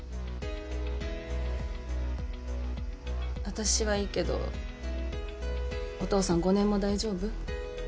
私はいいけどお父さん５年も大丈夫？